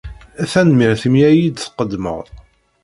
Tanemmirt imi ay iyi-d-tqeddmeḍ.